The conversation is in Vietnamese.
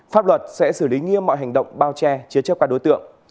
pháp luật sẽ xử lý nghiêm mọi hành động bao che chế chấp các đối tượng